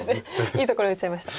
いいところ打っちゃいました。